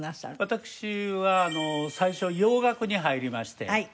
私は最初洋楽に入りまして。